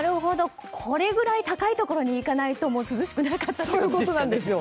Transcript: これぐらい高いところに行かないと涼しくなかったという。